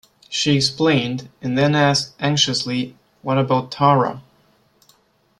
She explained; and then asked anxiously, "What about Tara?"